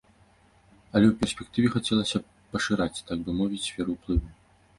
Але ў перспектыве хацелася б пашыраць, так бы мовіць, сферу ўплыву.